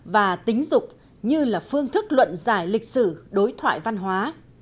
và tính dục như là phương thức luận giải lịch sử đối thoại văn hóa